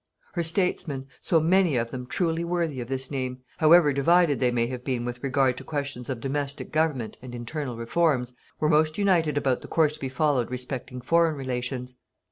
Her statesmen, so many of them truly worthy of this name, however divided they may have been with regard to questions of domestic government and internal reforms, were most united about the course to be followed respecting foreign relations.